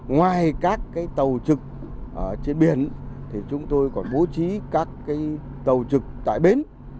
ngoài các tàu trực trên biển thì chúng tôi còn bố trí các tàu trực tại bến